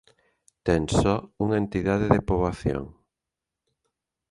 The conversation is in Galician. Ten só unha entidade de poboación.